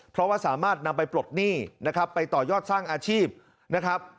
เพราะว่าสามารถนำไปปลดหนี้นะครับไปต่อยอดสร้างอาชีพนะครับ